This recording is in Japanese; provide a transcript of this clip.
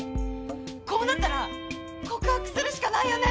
こうなったら告白するしかないよね！？